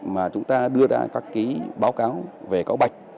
mà chúng ta đưa ra các báo cáo về cáo bạch